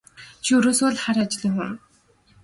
Чи ерөөсөө л хар ажлын хүн.